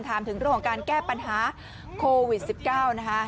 ถามถึงเรื่องของการแก้ปัญหาโควิด๑๙นะคะ